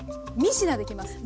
３品できます。